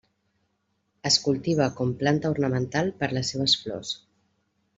Es cultiva com planta ornamental per les seves flors.